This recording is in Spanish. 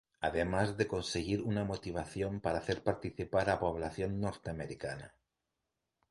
Además de conseguir una motivación para hacer participar a población norteamericana.